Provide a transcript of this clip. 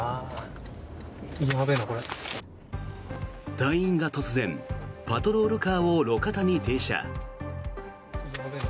隊員が突然パトロールカーを路肩に停車。